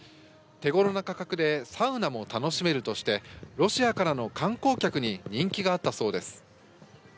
手頃な価格でサウナも楽しめるとしてロシアからの観光客に人気があったそうです。